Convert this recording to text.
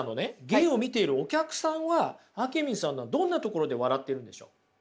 芸を見ているお客さんはあけみんさんのどんなところで笑ってるんでしょう？